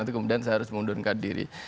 kemudian saya harus mundurkan diri